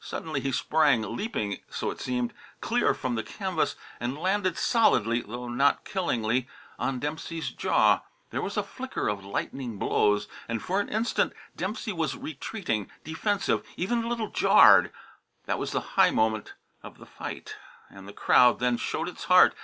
Suddenly he sprang, leaping (so it seemed) clear from the canvas, and landed solidly (though not killingly) on Dempsey's jaw. There was a flicker of lightning blows, and for an instant Dempsey was retreating, defensive, even a little jarred. That was the high moment of the fight, and the crowd then showed its heart.